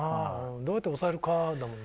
どうやって抑えるかだもんな。